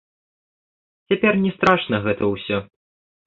Цяпер не страшна гэта ўсё.